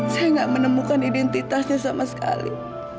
saya nggak menemukan identitasnya sama sekali